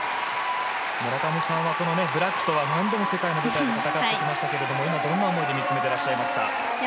村上さんはブラックとは何度も世界の舞台で戦ってきましたが今、どんな思いで見つめていますか？